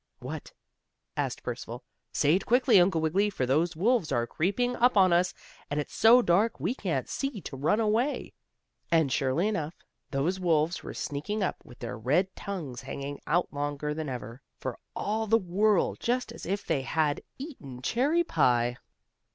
"What?" asked Percival. "Say it quickly, Uncle Wiggily, for those wolves are creeping up on us, and it's so dark we can't see to run away." And surely enough, those wolves were sneaking up, with their red tongues hanging out longer than ever, for all the world just as if they had eaten cherry pie.